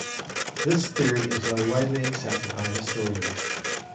This theory is now widely accepted by historians.